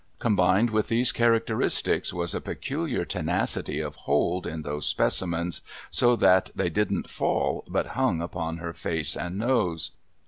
Combined with these characteristics, was a peculiar tenacity of hold in those specimens, so that they didn't foil, but hung upon her face and nose.